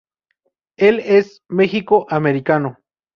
Él es un mexico-americano.